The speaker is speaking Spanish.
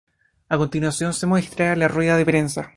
A continuación se muestra la rueda de prensa.